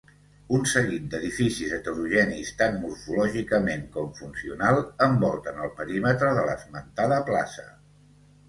Un seguit d'edificis heterogenis tant morfològicament com funcional, envolten el perímetre de l'esmentada plaça.